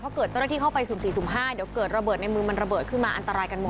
เกิดเจ้าหน้าที่เข้าไปสุ่ม๔สุ่ม๕เดี๋ยวเกิดระเบิดในมือมันระเบิดขึ้นมาอันตรายกันหมด